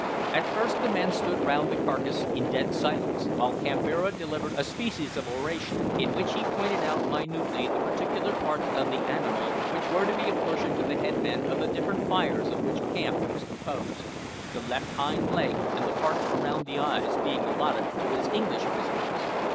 At first the men stood round the carcase in dead silence, while Kambira delivered a species of oration, in which he pointed out minutely the particular parts of the animal which were to be apportioned to the head men of the different fires of which the camp was composed, the left hind leg and the parts around the eyes being allotted to his English visitors.